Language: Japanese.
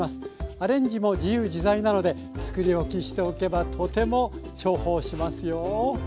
アレンジも自由自在なので作り置きしておけばとても重宝しますよ。